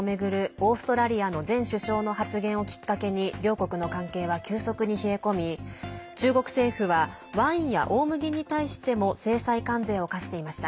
オーストラリアの前首相の発言をきっかけに両国の関係は急速に冷え込み中国政府はワインや大麦に対しても制裁関税を課していました。